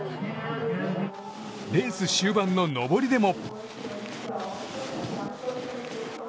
レース終盤の上りでも。